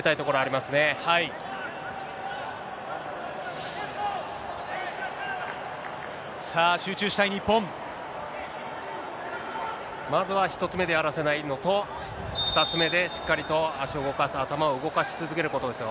まずは１つ目でやらせないのと、２つ目でしっかりと足を動かす、頭を動かし続けることですよ。